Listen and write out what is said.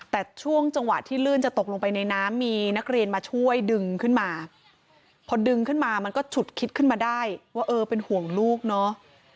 แต่ช่วงจังหวะที่ลื่นจะตกลงไปในน้ำมีนักเรียนมาช่วยดึงขึ้นมาพอดึงขึ้นมามันก็ฉุดคิดขึ้นมาได้ว่าเออเป็นห่วงลูกเนาะ